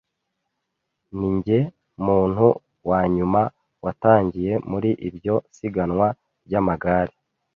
Ninjye muntu wanyuma watangiye muri iryo siganwa ry’amagare.